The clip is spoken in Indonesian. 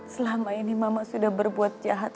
selama ini mama sudah berbuat jahat